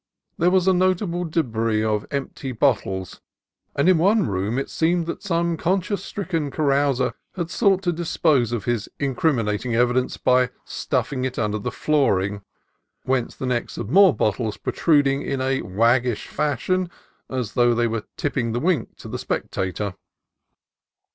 There was a notable debris of empty bottles, and in one room it seemed that some conscience stricken carouser had sought to dispose of his incriminating evidence by stuffing it under the flooring, whence the necks of more bottles protruded in a waggish fashion, as though they were " tipping the wink " to the spec tator.